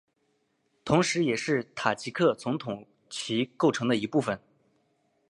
同时也是塔吉克总统旗构成的一部分